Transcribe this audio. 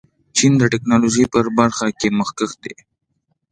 چین د ټیکنالوژۍ په برخه کې مخکښ دی.